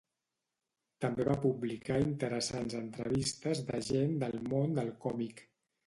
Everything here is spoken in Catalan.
També va publicar interessants entrevistes de gent del món del còmic.